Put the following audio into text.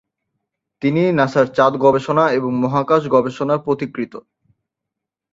তিনি নাসার চাঁদ গবেষণা এবং মহাকাশ গবেষণার পথিকৃৎ।